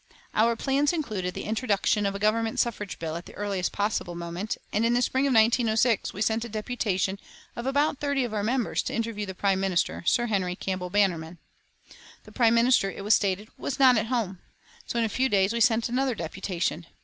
Our plans included the introduction of a Government suffrage bill at the earliest possible moment, and in the spring of 1906 we sent a deputation of about thirty of our members to interview the Prime Minister, Sir Henry Campbell Bannerman. The Prime Minister, it was stated, was not at home; so in a few days we sent another deputation.